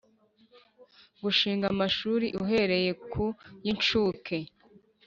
Gushinga amashuri uhereye ku y incuke